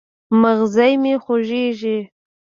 مځغی مي خوږیږي